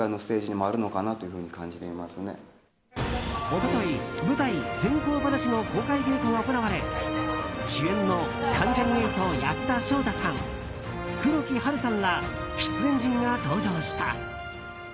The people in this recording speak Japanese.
一昨日、舞台「閃光ばなし」の公開稽古が行われ主演の関ジャニ∞・安田章大さん黒木華さんら出演陣が登場した。